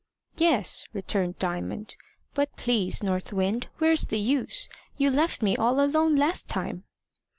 "Yes," returned Diamond. "But, please, North Wind, where's the use? You left me all alone last time."